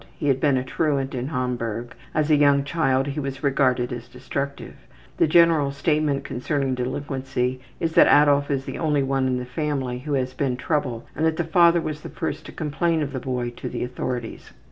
He had been a truant in Hamburg. As a young child he was regarded as destructive. The general statement concerning delinquency is that Adolf is the only one of the family who has given trouble and that the father was the first to complain of the boy to the authorities.